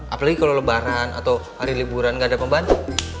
apalagi kalau lebaran atau hari liburan nggak ada pembantu